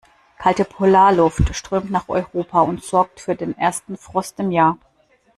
Kalte Polarluft strömt nach Europa und sorgt für den ersten Frost im Jahr.